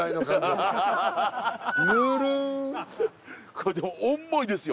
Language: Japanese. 海でも重いですよ。